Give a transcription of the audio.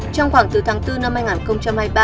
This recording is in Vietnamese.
trong khoảng từ tháng bốn năm hai nghìn hai mươi ba